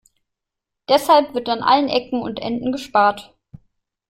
Deshalb wird an allen Ecken und Enden gespart.